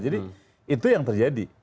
jadi itu yang terjadi